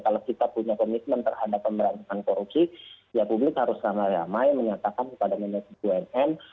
kalau kita punya komitmen terhadap pemberantasan korupsi ya publik harus ramai ramai menyatakan kepada manajemen bumn